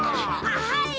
はい！